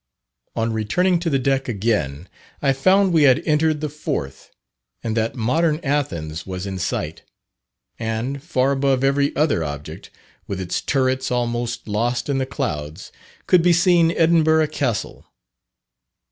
On returning to the deck again, I found we had entered the Forth, and that "Modern Athens" was in sight; and, far above every other object, with its turrets almost lost in the clouds, could be seen Edinburgh Castle.